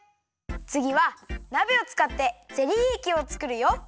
つぎはなべをつかってゼリーえきをつくるよ！